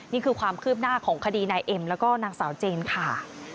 นี่คือความคืบหน้าของคดีนายเอ็มแล้วก็นางสาวเจนค่ะ